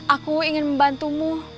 aku ingin membantumu